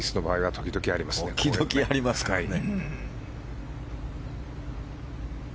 時々ありますかね。